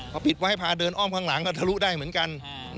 พอปิดไว้ให้พาเดินอ้อมข้างหลังก็ทะลุได้เหมือนกัน